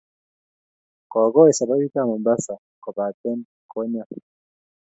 Kokoi saparit ap Mombasa kopate konyal.